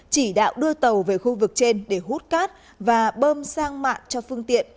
chỉ đạo đưa tàu về khu vực trên để hút cát và bơm sang mạng cho phương tiện